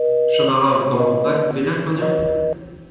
Chom a ra ur gambr vak bennak ganeoc'h ?